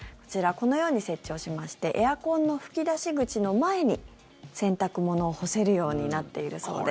このように設置をしましてエアコンの吹き出し口の前に洗濯物を干せるようになっているそうです。